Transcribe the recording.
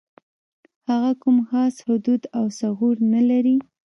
هغه کوم خاص حدود او ثغور نه لري.